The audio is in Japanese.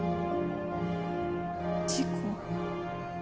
事故？